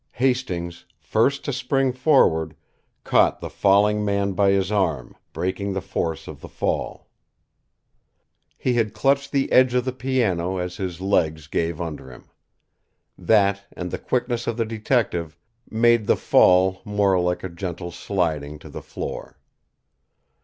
Hastings, first to spring forward, caught the falling man by his arm, breaking the force of the fall. He had clutched the edge of the piano as his legs gave under him. That, and the quickness of the detective, made the fall more like a gentle sliding to the floor.